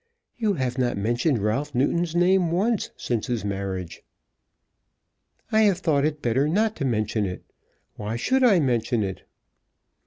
You have not mentioned Ralph Newton's name once since his marriage." "I have thought it better not to mention it. Why should I mention it?"